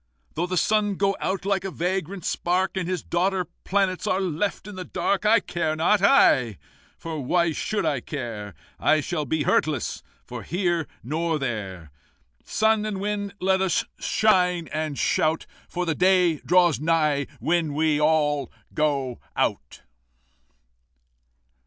"Though the sun go out like a vagrant spark, And his daughter planets are left in the dark, I care not, I! For why should I care? I shall be hurtless, nor here nor there. Sun and Wind, let us shine and shout, For the day draws nigh when we all go out!"